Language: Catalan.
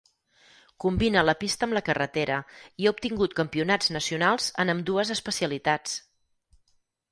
Combina la pista amb la carretera, i ha obtingut campionats nacionals en ambdues especialitats.